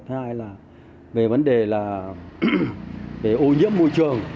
hai là về vấn đề là về ô nhiễm môi trường